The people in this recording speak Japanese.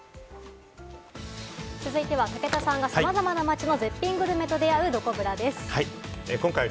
続いては、武田さんがさまざまな街の絶品グルメと出会う、どこブラです。